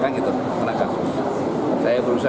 kan gitu kena kasus